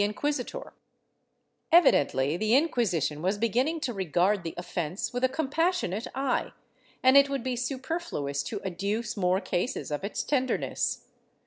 VI] PUNISHMENT 129 Evidentl}^ the Inquisition was beginning to regard the offence with a compassionate eye, and it would be superfluous to adduce more cases of its tenderness.